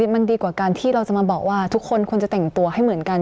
มันดีกว่าการที่เราจะมาบอกว่าทุกคนควรจะแต่งตัวให้เหมือนกัน